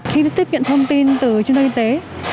khi tiếp nhận thông tin từ trung đoàn y tế